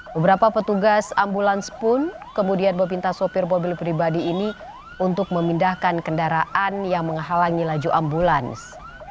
beberapa petugas ambulans pun kemudian meminta sopir mobil pribadi ini untuk memindahkan kendaraan yang menghalangi laju ambulans